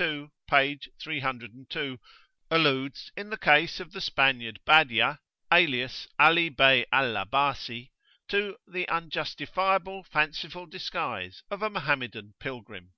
ii., p. 302) alludes, in the case of the Spaniard Badia, alias Ali Bey al Abbasi, to the "unjustifiable fanciful disguise of a Mohammedan Pilgrim."